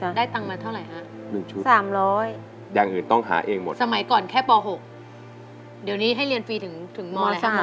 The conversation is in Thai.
ใช่ค่ะได้ตังค์มาเท่าไหร่ฮะสมัยก่อนแค่ป๖เดี๋ยวนี้ให้เรียนฟรีถึงม๓